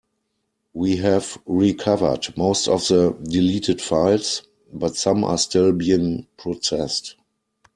We have recovered most of the deleted files, but some are still being processed.